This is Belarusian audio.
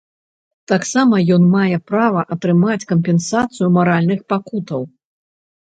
Таксама ён мае права атрымаць кампенсацыю маральных пакутаў.